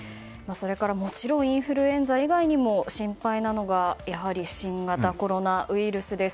もちろんインフルエンザ以外にも心配なのがやはり新型コロナウイルスです。